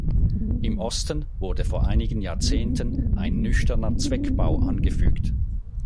Im Osten wurde vor einigen Jahrzehnten ein nüchterner Zweckbau angefügt.